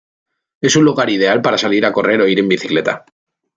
Es un lugar ideal para salir a correr o ir en bicicleta.